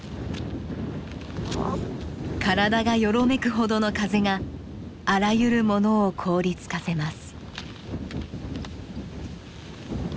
体がよろめくほどの風があらゆるものを凍りつかせます。